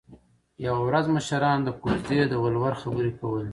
یوه ورځ مشرانو د کوژدې د ولور خبرې کولې